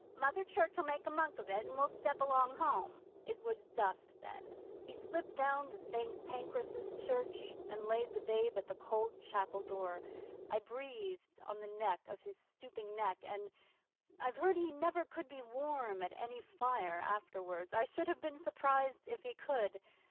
"Mother Church'll make a monk of it, and we'll step along home." 'It was dusk then. He slipped down to St Pancras' Church, and laid the babe at the cold chapel door. I breathed on the back of his stooping neck and I've heard he never could be warm at any fire afterwards. I should have been surprised if he could!